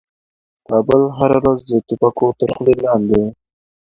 کابل هره ورځ د توپکو تر خولې لاندې و.